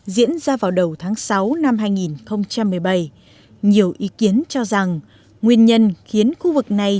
diễn ra vào đầu tháng sáu năm hai nghìn một mươi bảy nhiều ý kiến cho rằng nguyên nhân khiến khu vực này